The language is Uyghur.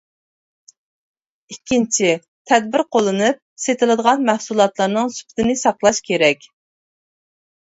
ئىككىنچى، تەدبىر قوللىنىپ، سېتىلىدىغان مەھسۇلاتلارنىڭ سۈپىتىنى ساقلاش كېرەك.